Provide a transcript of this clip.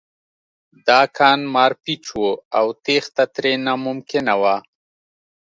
دا کان مارپیچ و او تېښته ترې ناممکنه وه